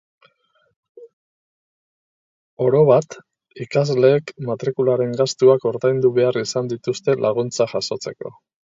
Orobat, ikasleek matrikularen gastuak ordaindu behar izan dituzte laguntza jasotzeko.